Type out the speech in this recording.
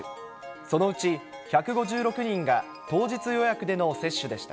そのうち１５６人が当日予約での接種でした。